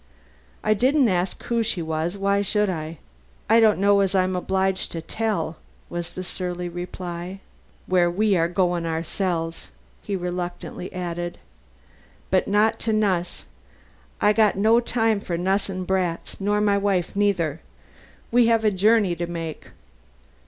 I didn't ask who she was; why should I? 'I don't know as I am obliged to tell,' was his surly reply. 'Where we are going oursel's,' he reluctantly added. 'But not to nu'ss. I've no time for nu'ssin' brats, nor my wife neither. We have a journey to make.